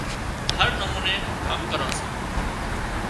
هر نموني ڪام ڪران سان